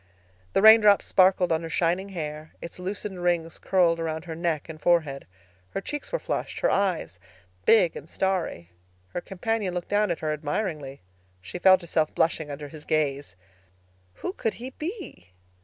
The raindrops sparkled on her shining hair; its loosened rings curled around her neck and forehead. Her cheeks were flushed, her eyes big and starry. Her companion looked down at her admiringly. She felt herself blushing under his gaze. Who could he be?